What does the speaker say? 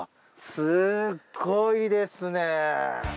すっごいですね！